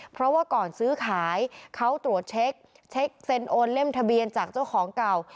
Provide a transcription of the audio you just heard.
เพราะว่าก่อนซื้อขายเขาตรวจเช็คเซ็นโอนเล่มทะเบียนจากเจ้าของเก่า